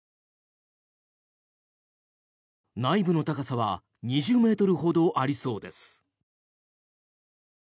内部の高さは２０ｍほどありそうです。